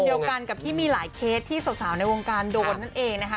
เดียวกันกับที่มีหลายเคสที่สาวในวงการโดนนั่นเองนะคะ